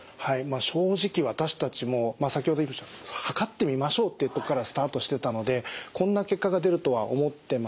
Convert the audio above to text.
正直私たちも先ほども言いましたが測ってみましょうってとこからスタートしてたのでこんな結果が出るとは思ってませんでした。